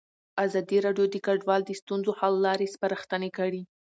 ازادي راډیو د کډوال د ستونزو حل لارې سپارښتنې کړي.